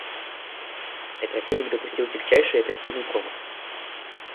Оперативник допустил тягчайший оперативный промах.